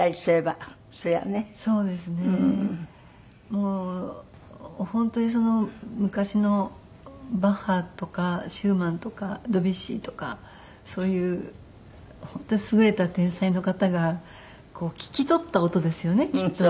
もう本当に昔のバッハとかシューマンとかドビュッシーとかそういう本当に優れた天才の方が聴き取った音ですよねきっと。